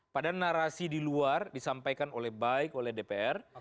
padahal narasi di luar disampaikan oleh baik oleh dpr